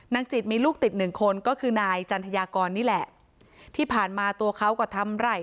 จิตมีลูกติดหนึ่งคนก็คือนายจันทยากรนี่แหละที่ผ่านมาตัวเขาก็ทำไหล่